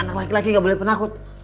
anak laki laki gak boleh penakut